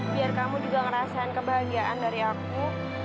biar kamu juga ngerasain kebahagiaan dari aku